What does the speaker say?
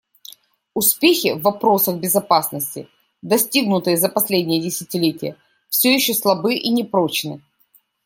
Успехи в вопросах безопасности, достигнутые за последнее десятилетие, все еще слабы и непрочны.